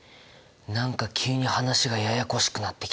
何か急に話がややこしくなってきた。